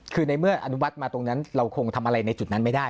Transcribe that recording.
คือในเมื่ออนุมัติมาตรงนั้นเราคงทำอะไรในจุดนั้นไม่ได้